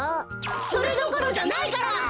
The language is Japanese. それどころじゃないから！